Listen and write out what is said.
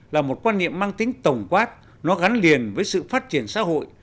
là một quan niệm mang tính tổng quát nó gắn liền với sự phát triển xã hội